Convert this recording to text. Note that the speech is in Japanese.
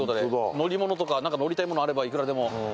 乗り物とか乗りたいものあればいくらでも。